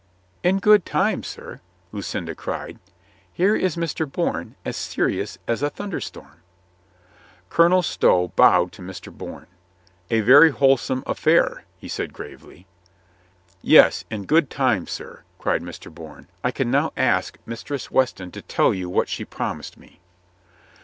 "In good time, sir," Lucinda cried. "Here is Mr. Bourne as serious .as a thunderstorm." Colonel Stow bowed to Mr. Bourne. "A very wholesome affair," he said gravely. "Yes, in good time, sir," cried Mr. Bourne. "I can now ask Mistress Weston to tell you what she promised me."